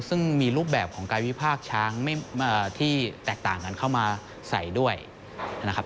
ซึ่งมีรูปแบบของการวิพากษ์ช้างที่แตกต่างกันเข้ามาใส่ด้วยนะครับ